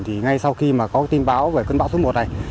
thì ngay sau khi mà có tin báo về cơn bão số một này